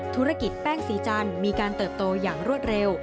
ธุรกิจแป้งสีจันทร์มีการเติบโตอย่างรวดเร็ว